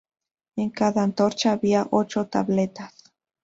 En cada antorcha había ocho tabletas.